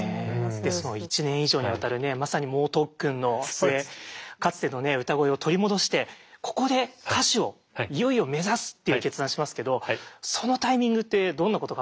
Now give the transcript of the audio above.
その１年以上にわたるまさに猛特訓の末かつてのね歌声を取り戻してここで歌手をいよいよ目指すっていう決断しますけどそのタイミングってどんなこと考えてたんですか？